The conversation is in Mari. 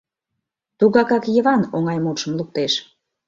Тугакак Йыван оҥай мутшым луктеш.